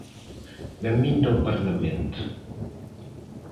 Benvido ao Parlamento.